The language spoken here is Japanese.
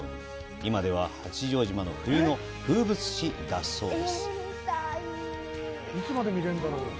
今では八丈島の冬の風物詩だそうです。